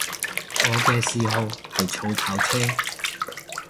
我嘅嗜好係儲跑車